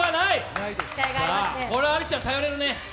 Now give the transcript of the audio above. これはアリスちゃん、頼れるね。